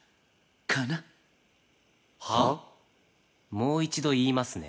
もう一度言いますね。